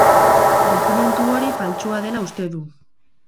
Dokumentu hori faltsua dela uste du.